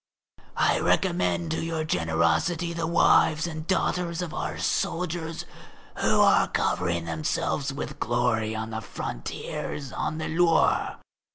I recommend to your generosity the wives and daughters of our soldiers who are covering themselves with glory on the frontiers and on the Loire.